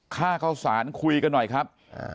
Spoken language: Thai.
ค่าเข้าสารคุยกันหน่อยครับ